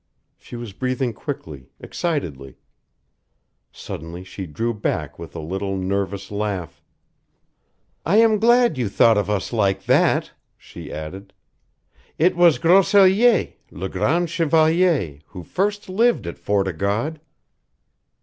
She was breathing quickly, excitedly. Suddenly she drew back with a little, nervous laugh. "I am glad you thought of us like THAT," she added. "It was Grosellier, le grand chevalier, who first lived at Fort o' God!"